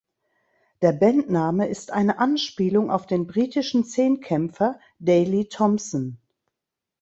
Der Bandname ist eine Anspielung auf den britischen Zehnkämpfer Daley Thompson.